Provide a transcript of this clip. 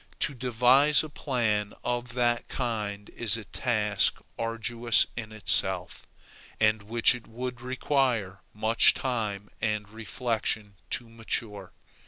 To devise a plan of that kind is a task arduous in itself, and which it would require much time and reflection to mature.